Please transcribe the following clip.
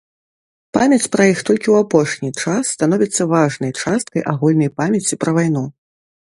Памяць пра іх толькі ў апошні час становіцца важнай часткай агульнай памяці пра вайну.